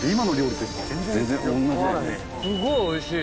すごいおいしい。